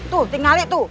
tuh tinggalin tuh